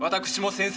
先生！